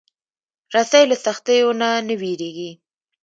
رسۍ له سختیو نه نه وېرېږي.